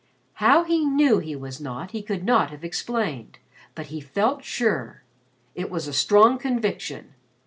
How he knew he was not, he could not have explained, but he felt sure. It was a strong conviction.